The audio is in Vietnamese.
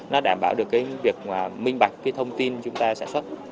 nó đảm bảo được cái việc minh bạch cái thông tin chúng ta sản xuất